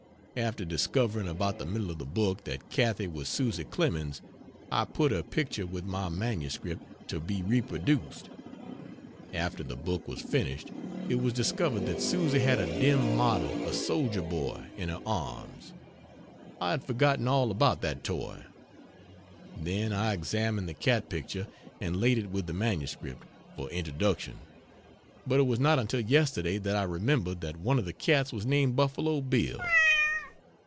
After discovering, about the middle of the book, that Cathy was Susy Clemens, I put her picture with my MS., to be reproduced. After the book was finished it was discovered that Susy had a dim model of Soldier Boy in her arms; I had forgotten all about that toy. Then I examined the cat picture and laid it with the MS. for introduction; but it was not until yesterday that I remembered that one of the cats was named Buffalo Bill.